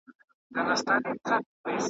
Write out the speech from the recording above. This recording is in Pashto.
لټ د دوبي سیوری غواړي د ژمي پیتاوی .